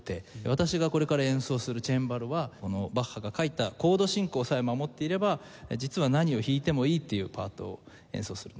私がこれから演奏するチェンバロはバッハが書いたコード進行さえ守っていれば実は何を弾いてもいいっていうパートを演奏するんですね。